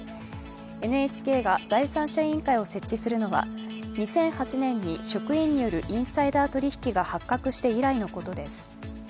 ＮＨＫが第三者委員会を設置するのは２００８年に職員によるインサイダー取引が発覚して以来のことです。